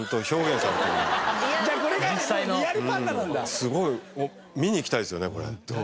すごい見に行きたいですよねこれ。